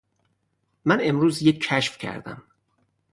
من امروز یک کشف کردم.